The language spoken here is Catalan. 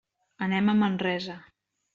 Anem a Manresa.